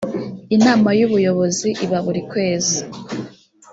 inama y ‘ubuyobozi iba burikwezi.